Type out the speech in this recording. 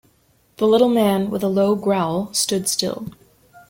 The little man, with a low growl, stood still.